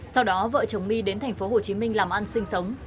sau đó vợ chồng my đến thành phố hồ chí minh làm ăn sinh sống